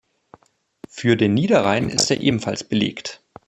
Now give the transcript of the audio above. Für den Niederrhein ist er ebenfalls belegt.